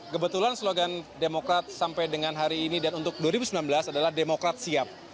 kebetulan slogan demokrat sampai dengan hari ini dan untuk dua ribu sembilan belas adalah demokrat siap